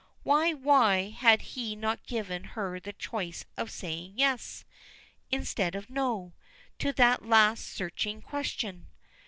Why, why, had he not given her the choice of saying yes, instead of no, to that last searching question?